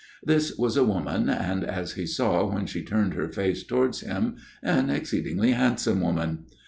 This was a woman, and, as he saw when she turned her face towards him, an exceedingly handsome woman.